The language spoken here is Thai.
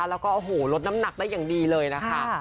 แล้วก็โอ้โหลดน้ำหนักได้อย่างดีเลยนะคะ